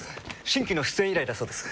新規の出演依頼だそうです。